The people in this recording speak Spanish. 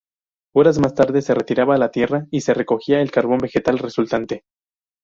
Horas más tarde se retiraba la tierra y se recogía el carbón vegetal resultante.